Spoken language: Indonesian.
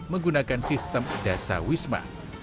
menggunakan sistem dasawisma